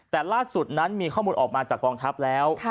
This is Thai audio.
แต่ล่าสุดนั้นมีข้อมูลออกมาจากกองทัพแล้ว